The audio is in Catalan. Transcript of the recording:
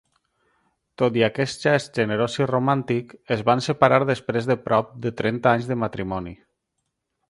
Tot i aquest gest generós i romàntic es van separar després de prop de trenta anys de matrimoni.